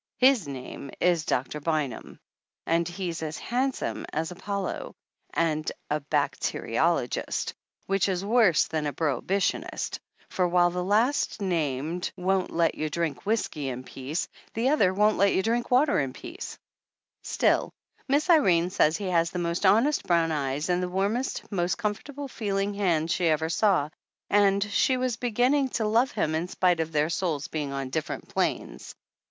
His name is Doctor Bynum and he's as hand some as Apollo and a bacteriologist, which is worse than a prohibitionist, for while the last named won't let you drink whisky in peace, the other won't let you drink water in peace. Still, Miss Irene says he has the most honest brown eyes and the warmest, most comfortable feeling hands she ever saw and she was beginning to 235 THE ANNALS OF ANN love him in spite of their souls being on differ ent planes.